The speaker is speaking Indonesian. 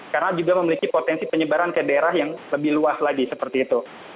karena juga memiliki potensi penyebaran ke daerah yang lebih luas lagi seperti itu